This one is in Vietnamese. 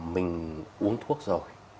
mình uống thuốc rồi